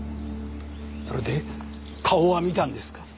それで顔は見たんですか？